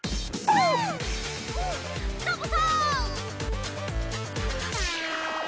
サボさん。